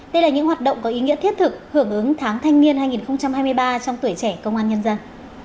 đây là những hoạt động có ý nghĩa thiết thực hưởng ứng tháng thanh niên hai nghìn hai mươi ba trong tuổi trẻ công an nhân dân